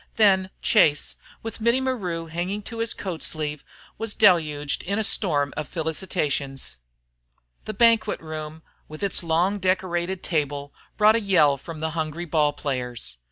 Then Chase, with Mittie Maru hanging to his coat sleeve, was deluged in a storm of felicitations. The banquet room, with its long decorated table, brought a yell from the hungry ball players.